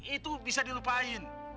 itu bisa dilupain